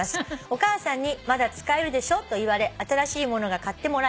「お母さんに『まだ使えるでしょ』と言われ新しいものが買ってもらえません。